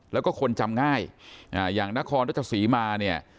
แล้วก็คนจำง่ายอย่างนครรัชศรีมาเนี่ย